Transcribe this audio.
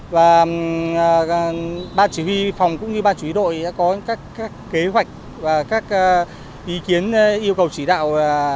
và ba chỉ huy phòng cũng như ba chỉ huy đội đã có các kế hoạch và các ý kiến yêu cầu chỉ đạo